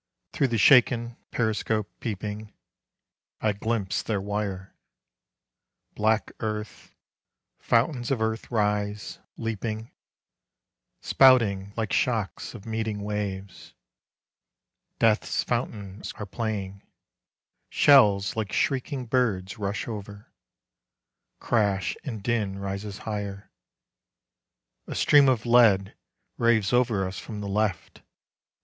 Through the shaken periscope peeping, I glimpse their wire: Black earth, fountains of earth rise, leaping, Spouting like shocks of meeting waves. Death's fountains are playing. Shells like shrieking birds rush over; Crash and din rises higher. A stream of lead raves Over us from the left